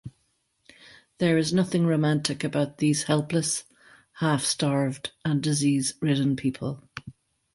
There is nothing romantic about these helpless, half-starved, and disease-ridden people.